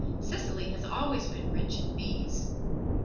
Sicily has always been rich in bees.